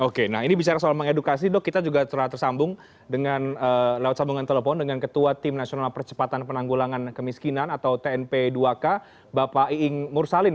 oke nah ini bicara soal mengedukasi dok kita juga telah tersambung dengan lewat sambungan telepon dengan ketua tim nasional percepatan penanggulangan kemiskinan atau tnp dua k bapak iing mursalin